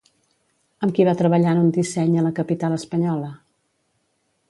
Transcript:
Amb qui va treballar en un disseny a la capital espanyola?